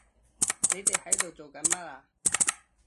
你哋喺度做緊乜啊？